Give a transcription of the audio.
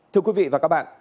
thưa quý vị và các bạn